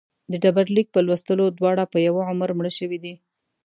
د ډبرلیک په لوستلو دواړه په یوه عمر مړه شوي دي.